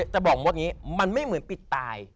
จะบอกมันว่าอย่างนี้มันไม่เหมือนปิดตาย